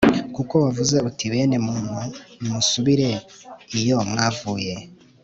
kuko wavuze uti bene muntu, nimusubire iyo mwavuye